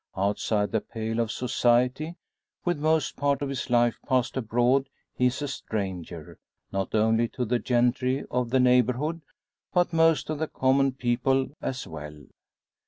Outside the pale of "society," with most part of his life passed abroad, he is a stranger, not only to the gentry of the neighbourhood, but most of the common people as well.